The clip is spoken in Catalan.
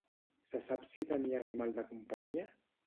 Se sap si tenia animal de companyia?